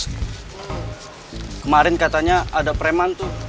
kemarin katanya ada preman tuh